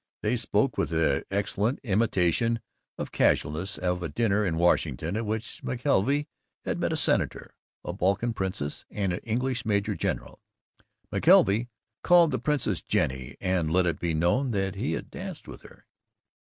They spoke, with an excellent imitation of casualness, of a dinner in Washington at which McKelvey had met a Senator, a Balkan princess, and an English major general. McKelvey called the princess "Jenny," and let it be known that he had danced with her.